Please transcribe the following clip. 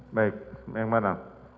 baik yang mana